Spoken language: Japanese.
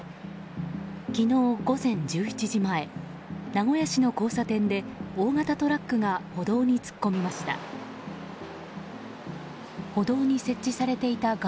昨日午前１１時前名古屋市の交差点で大型トラックが歩道に突っ込みました。